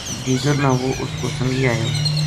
دیگر نا وہ اس کو سنگی ایو